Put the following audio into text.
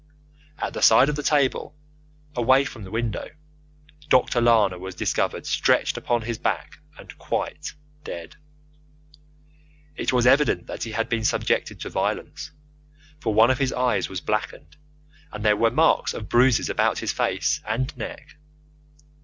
At the side of the table, away from the window, Dr. Lana was discovered stretched upon his back and quite dead. It was evident that he had been subjected to violence, for one of his eyes was blackened and there were marks of bruises about his face and neck.